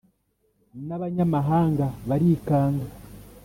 n’abanyamahanga barikanga